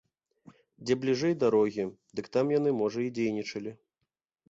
Дзе бліжэй дарогі, дык там яны, можа, і дзейнічалі.